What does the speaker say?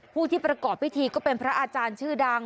ผู้ที่ประกอบพิธีก็เป็นพระอาจารย์ชื่อดัง